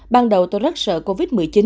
bắt đầu tôi rất sợ covid một mươi chín